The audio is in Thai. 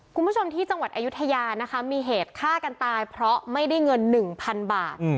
คุณผู้ชมที่จังหวัดอายุทยานะคะมีเหตุฆ่ากันตายเพราะไม่ได้เงิน๑๐๐๐บาท